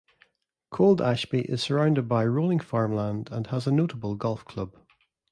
Cold Ashby is surrounded by rolling farmland, and has a notable golf club.